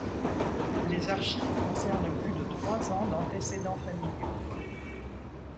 Les archives concernent plus de trois ans d'antécédents familiaux.